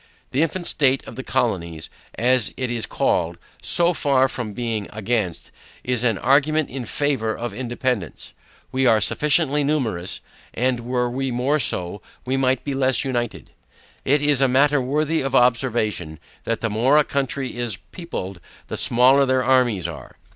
The infant state of the Colonies, as it is called, so far from being against, is an argument in favor of independance. We are sufficiently numerous, and were we more so, we might be less united. It is a matter worthy of observation, that the more a country is peopled, the smaller their armies are.